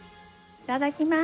いただきます。